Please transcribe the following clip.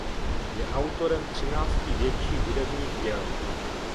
Je autorem třinácti větších hudebních děl.